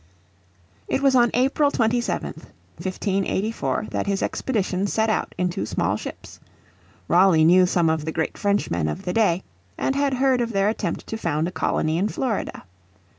It was on April 27th, 1584, that his expedition set out in two small ships. Raleigh knew some of the great Frenchmen of the day, and had heard of their attempt to found a colony in Florida.